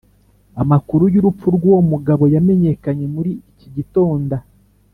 Amakuru y’urupfu rw’uwo mugabo yamenyekanye muri iki gitonda